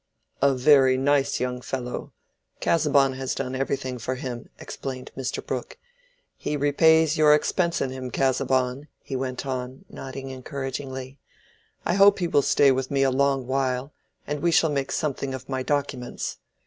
"A very nice young fellow—Casaubon has done everything for him," explained Mr. Brooke. "He repays your expense in him, Casaubon," he went on, nodding encouragingly. "I hope he will stay with me a long while and we shall make something of my documents.